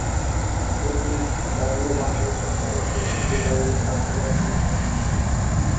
এডি বারলোবাংলাদেশের সাবেক coach Eddie Barlow তাঁর খেলোয়াড়ি জীবনে চশমা পরেই খেলতেন।